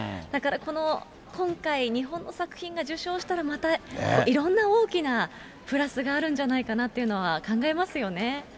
だから今回、日本の作品が受賞したらまた、いろんな大きなプラスがあるんじゃないかなっていうのは考えますよね。